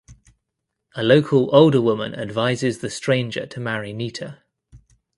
A local older woman advises the stranger to marry Nita.